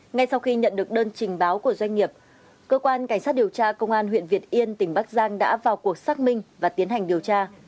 ngay sau khi nhận được đơn trình báo của doanh nghiệp cơ quan cảnh sát điều tra công an huyện việt yên tỉnh bắc giang đã vào cuộc xác minh và tiến hành điều tra